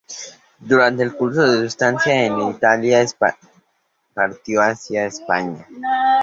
Durante el curso de su estancia en Italia partió hacia España.